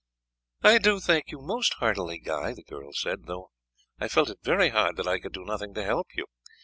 "I do thank you most heartily, Guy," the girl said, "though I felt it very hard that I could do nothing to help you.